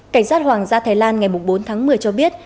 cảnh sát hoàng gia thái lan ngày bốn tháng một mươi cho biết